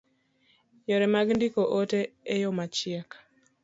Yore mag ndiko ote e yo machiek